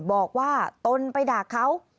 บอกว่าตนไปด่าเขา